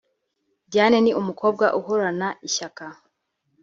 Diane ni umukobwa uhorana ishyaka